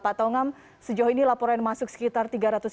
pak tongam sejauh ini laporan masuk sekitar tiga ratus tiga puluh